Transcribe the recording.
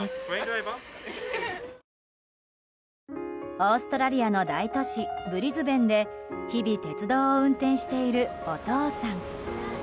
オーストラリアの大都市ブリズベンで日々、鉄道を運転しているお父さん。